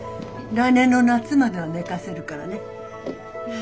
来年の夏までは寝かせるからね。